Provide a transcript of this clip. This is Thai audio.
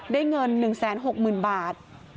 ได้เงิน๑๖๐๐๐บาท